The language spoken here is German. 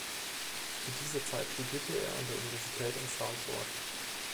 Zu dieser Zeit studierte er an der Universität in Salford.